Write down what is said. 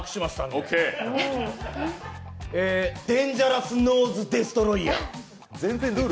デンジャラスノーズデストロイヤー。